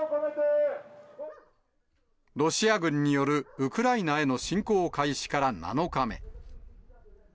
ロシア軍によるウクライナへの侵攻開始から７日目。